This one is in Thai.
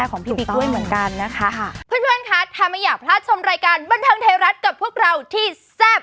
ตอนที่ไปคุยกับคุณพ่อคุณแม่